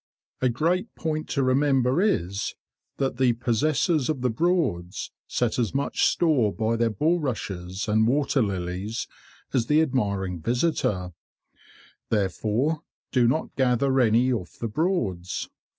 A great point to remember is, that the possessors of the Broads set as much store by their bulrushes and water lilies as the admiring visitor; therefore, do not gather any off the Broads.